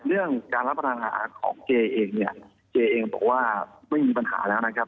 เรื่องการรับประทานอาหารของเจเองเนี่ยเจเองบอกว่าไม่มีปัญหาแล้วนะครับ